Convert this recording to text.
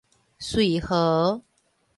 穗和